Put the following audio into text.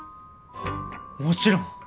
もちろん！